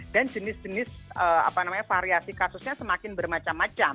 dan jenis jenis apa namanya variasi kasusnya semakin bermacam macam